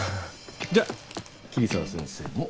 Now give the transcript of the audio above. じゃあ桐沢先生も。